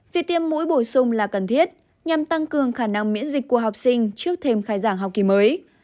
việc tiêm mũi bổ sung là cần thiết nhằm tăng cường khả năng miễn dịch của học sinh trước thêm khai giảng học kỳ mới